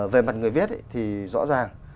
về mặt người viết thì rõ ràng